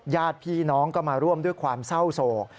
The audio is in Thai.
ญาติพี่น้องก็มาร่วมด้วยความเศร้าโศก